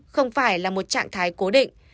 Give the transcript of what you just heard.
không phải là một trạng thái cố định